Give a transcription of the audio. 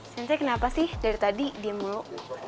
sensei kenapa sih dari tadi diem mulu